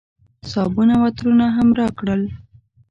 صابون او عطرونه هم راکړل.